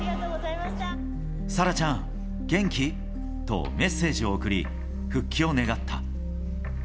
「沙羅ちゃん、元気？」とメッセージを送り復帰を願った。